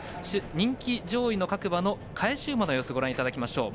人気上位の各馬の返し馬の様子ご覧いただきましょう。